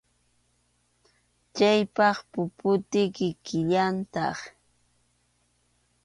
Chayqa puputi kikillantaq.